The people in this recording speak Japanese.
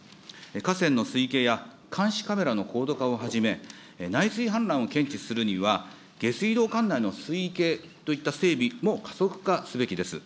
河川の水位計や監視カメラの高度化をはじめ、内水氾濫を検知するには、下水道管内の水位計といった整備も加速化すべきです。